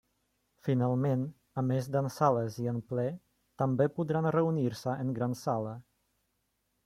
Finalment, a més d'en sales i en Ple, també podran reunir-se en Gran Sala.